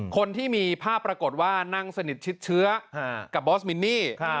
คนที่มีภาพปรากฏว่านั่งสนิทชิดเชื้อกับบอสมินนี่